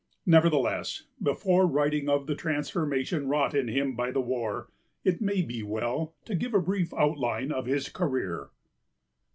Nevertheless, before writing of the transformation wrought in him by the war, it may be well to give a brief outline of his career.